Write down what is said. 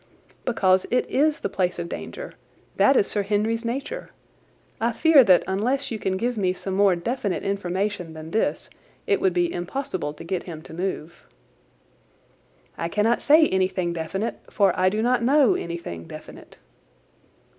"Because it is the place of danger. That is Sir Henry's nature. I fear that unless you can give me some more definite information than this it would be impossible to get him to move." "I cannot say anything definite, for I do not know anything definite."